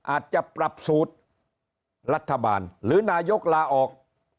อาจจะปรับสูตรรัฐบาลหรือนายกลาออก